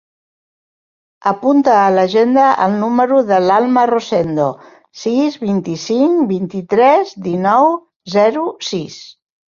Apunta a l'agenda el número de l'Alma Rosendo: sis, vint-i-cinc, vint-i-tres, dinou, zero, sis.